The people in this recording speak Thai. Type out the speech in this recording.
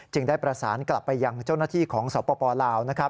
จึงได้ประสานกลับไปยังเจ้าหน้าที่ของสปลาว